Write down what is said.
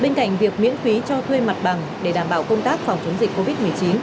bên cạnh việc miễn phí cho thuê mặt bằng để đảm bảo công tác phòng chống dịch